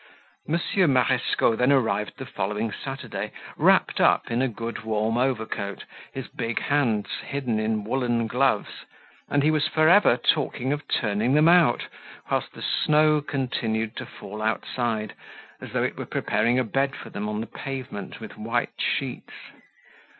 Monsieur Marescot then arrived the following Saturday, wrapped up in a good warm overcoat, his big hands hidden in woolen gloves; and he was for ever talking of turning them out, whilst the snow continued to fall outside, as though it were preparing a bed for them on the pavement with white sheets.